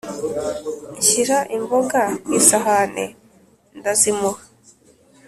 Nshyira imboga kw’isahane ndazimuha